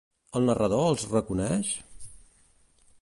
El narrador els reconeix?